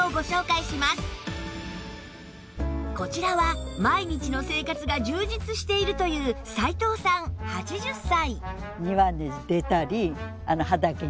こちらは毎日の生活が充実しているという斉藤さん８０歳